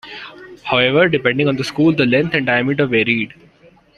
However, depending on the school the length and diameter varied.